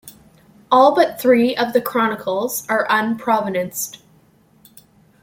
All but three of the chronicles are unprovenanced.